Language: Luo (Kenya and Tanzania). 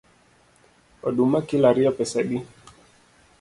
Oduma kilo ariyo pesa adi?